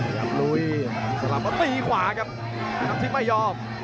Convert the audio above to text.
หายบลุยสลับตีขวากับหน้าทิพย์ไม่ยอม